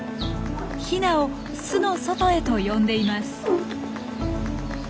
ヒナを巣の外へと呼んでいます。